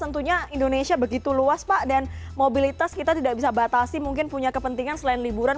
tentunya indonesia begitu luas pak dan mobilitas kita tidak bisa batasi mungkin punya kepentingan selain liburan